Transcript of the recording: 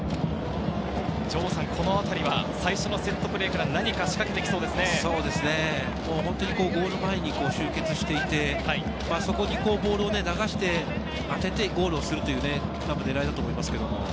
城さん、このあたりは最初のセットプレーゴール前に集結していて、そこにボールを流して、当ててゴールをするという狙いだと思います。